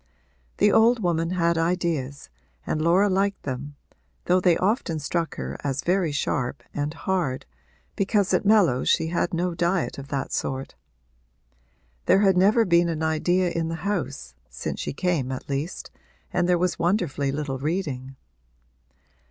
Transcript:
The old woman had ideas and Laura liked them, though they often struck her as very sharp and hard, because at Mellows she had no diet of that sort. There had never been an idea in the house, since she came at least, and there was wonderfully little reading.